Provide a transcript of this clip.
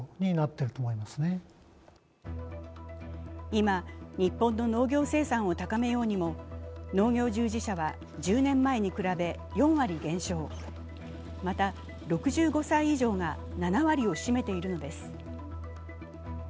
今、日本の農業生産を高めようにも農業従事者は１０年前に比べ４割減少、また６５歳以上が７割を占めているのです。